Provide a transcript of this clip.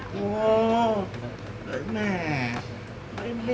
ก็มันผิดจะไปเซ็นอะไรอีกแล้ว